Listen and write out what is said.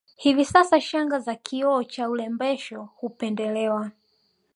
Hivi sasa shanga za kioo cha urembesho hupendelewa